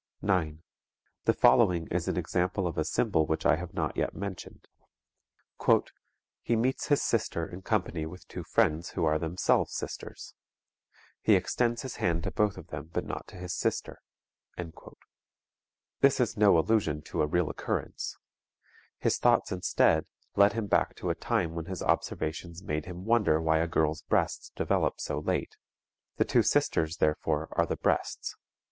9. The following is an example of a symbol which I have not yet mentioned: "_He meets his sister in company with two friends who are themselves sisters. He extends his hand to both of them but not to his sister._" This is no allusion to a real occurrence. His thoughts instead lead him back to a time when his observations made him wonder why a girl's breasts develop so late. The two sisters, therefore, are the breasts.